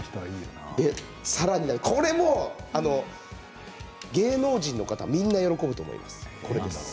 さらに、これも芸能人の方みんな喜んでいます。